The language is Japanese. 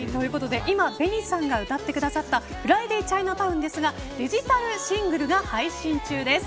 今、ＢＥＮＩさんが歌ってくださった「フライディ・チャイナタウン」ですがデジタルシングルが配信中です。